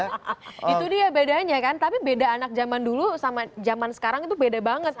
nah itu dia bedanya kan tapi beda anak zaman dulu sama zaman sekarang itu beda banget